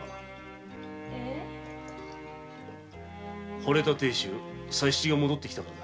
惚れた亭主佐七が戻ってきたからだ。